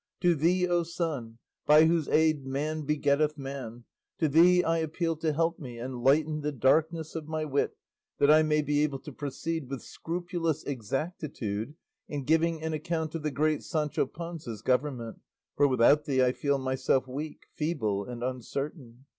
To thee, O Sun, by whose aid man begetteth man, to thee I appeal to help me and lighten the darkness of my wit that I may be able to proceed with scrupulous exactitude in giving an account of the great Sancho Panza's government; for without thee I feel myself weak, feeble, and uncertain.